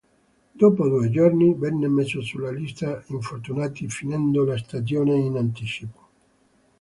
Dopo due giorni venne messo sulla lista infortunati finendo la stagione in anticipo.